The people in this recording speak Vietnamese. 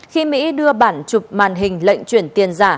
khi mỹ đưa bản chụp màn hình lệnh chuyển tiền giả